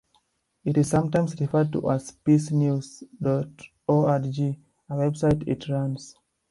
It is sometimes referred to as "PeaceNews dot org", a website it runs.